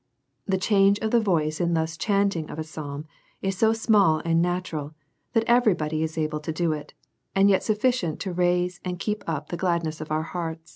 The change of the voice in thus chanting of a psalm is so small and natural, that every body is able to do it, and yet sufficient to raise and keep up the gladness of our heart.